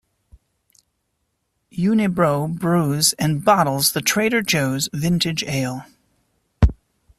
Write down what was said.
Unibroue brews and bottles the Trader Joe's Vintage Ale.